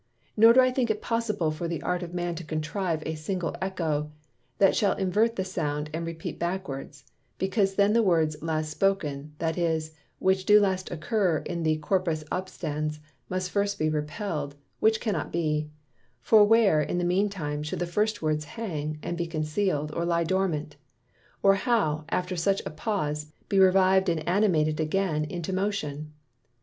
Nor do I think it possible for the Art of Man to contrive a Single Eccho, that shall invert the Sound, and repeat backwards; because then the Words last spoken, that is, which do last occur to the Corpus Obstans, must first be repell'd; which cannot be: For where, in the mean time, should the first Words hang, and be conceal'd, or lie dormant? Or how, after such a pause, be reviv'd and animated again into Motion?